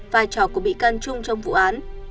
vai trò của bị can trung trong vụ án